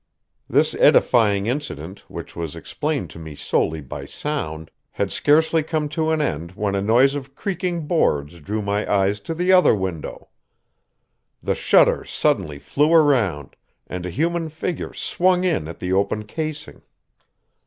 This edifying incident, which was explained to me solely by sound, had scarcely come to an end when a noise of creaking boards drew my eyes to the other window. The shutter suddenly flew around, and a human figure swung in at the open casing.